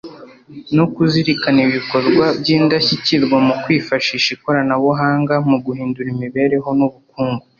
no kuzirikana ibikorwa by’ indashyikirwa mu kwifashisha ikoranabuhanga mu guhindura imibereho n’ ubukungu